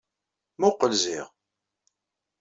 Mmuqqel ziɣ.